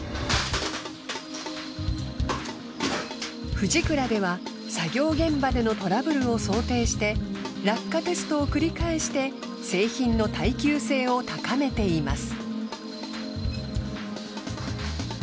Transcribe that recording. フジクラでは作業現場でのトラブルを想定して落下テストを繰り返して製品の耐久性を高めています。